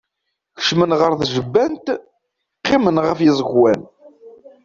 Kecmen ɣer tjebbant, qqimen ɣef yiẓekwan.